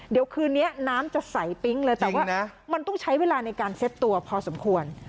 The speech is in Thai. เดี๋ยวคืนนี้น้ำจะใสปิ๊งเลยแต่ว่ามันต้องใช้เวลาในการเซ็ตตัวพอสมควร